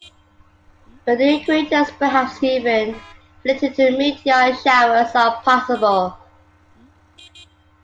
But new craters, perhaps even related to meteor showers are possible.